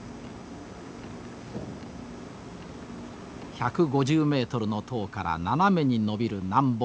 １５０メートルの塔から斜めに延びる何本ものケーブル。